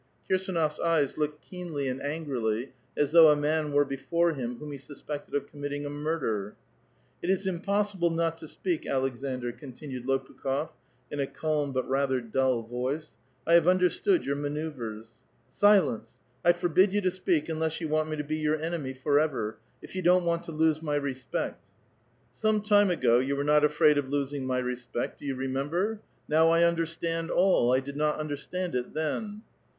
Kir s^Oofs eyes looked keenly and angrily, as though a nia iii were before him whom he suspected of committing a ^lix der. *"*^ It is impossible not to speak, Aleksandr," continued ^I>ukh6f, in a calm, but rather dull voice. " 1 have uuder ®^^<^^^<:>d your manoeuvres." *■ Silence ! 1 forbid you to speak, unless yon want me to ^ 3our enemy forever, — if you don't want to lose my ^^r:>eet." *"^^ Some time ago, you were not afraid of losing my re ^P^^^'t; do you remember? Now I understand all. I did ^^^ undei stand it tben."